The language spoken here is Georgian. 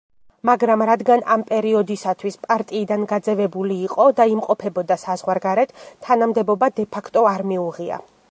მაგრამ რადგან ამ პერიოდისათვის პარტიიდან გაძევებული იყო და იმყოფებოდა საზღვარგარეთ, თანამდებობა დე-ფაქტო არ მიუღია.